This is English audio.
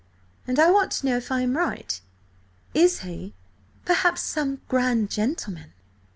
"And I want to know if I am right. Is he, perhaps, some grand gentleman?"